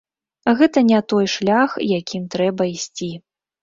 Гэта не той шлях, якім трэба ісці.